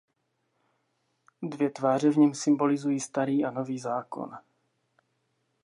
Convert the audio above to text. Dvě tváře v něm symbolizují Starý a Nový zákon.